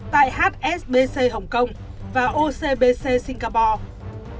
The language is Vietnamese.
tại hsbc hồng kông và ocbc singapore